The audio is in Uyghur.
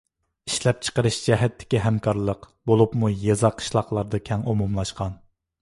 ئىشلەپچىقىرىش جەھەتتىكى ھەمكارلىق، بولۇپمۇ يېزا-قىشلاقلاردا كەڭ ئومۇملاشقان.